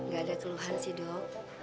gak ada keluhan sih dok